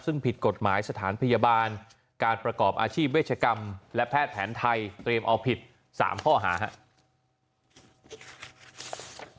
ซึ่งผิดกฎหมายสถานพยาบาลการประกอบอาชีพเวชกรรมและแพทย์แผนไทยเตรียมเอาผิด๓ข้อหาครับ